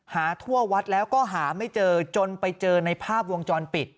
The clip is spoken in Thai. ทั่ววัดแล้วก็หาไม่เจอจนไปเจอในภาพวงจรปิด